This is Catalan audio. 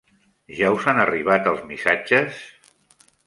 Ja us han arribat els missatges?